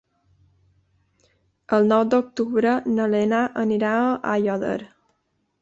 El nou d'octubre na Lena anirà a Aiòder.